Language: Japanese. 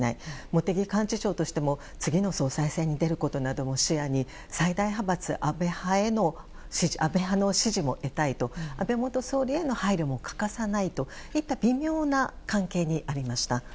茂木幹事長としても次の総裁選に出ることなども視野に最大派閥安倍派の支持も得たいと安倍元総理への配慮も欠かさないといった微妙な関係にありました。